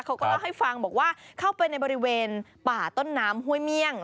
เขาก็เล่าให้ฟังบอกว่าเข้าไปในบริเวณป่าต้นน้ำห้วยเมี่ยง